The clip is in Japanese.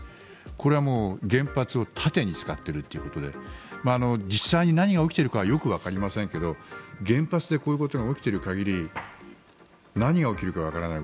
これは原発を盾に使っているということで実際に何が起きているのかはよくわかりませんけど原発でこういうことが起きている限り何が起きるかわからない。